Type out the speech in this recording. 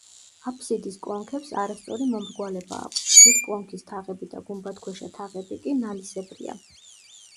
აფსიდის კონქებს არასწორი მომრგვალება აქვს, თვით კონქის თაღები და გუმბათქვეშა თაღები კი ნალისებრია.